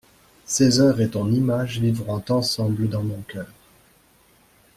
Ces heures et ton image vivront ensemble dans mon cœur.